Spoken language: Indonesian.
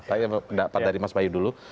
saya pendapat dari mas bayu dulu